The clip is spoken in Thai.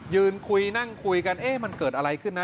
ยืนคุยนั่งคุยกันเอ๊ะมันเกิดอะไรขึ้นนะ